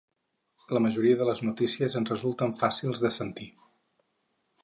La majoria de les notícies ens resulten fàcils de sentir.